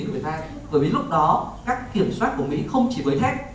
bởi vì lúc đó các kiểm soát của mỹ không chỉ với khách